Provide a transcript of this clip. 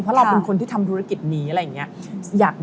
เพราะเราเป็นคนที่ทำธุรกิจนี้อะไรอย่างนี้